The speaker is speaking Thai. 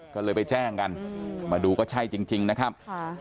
ก็เลยไปแจ้งกันมาดูก็ใช่จริงนะครับ